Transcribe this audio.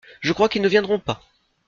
Je crois qu’ils ne viendront pas.